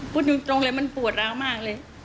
พูดตรงเลยมันปวดร้าวมากเลย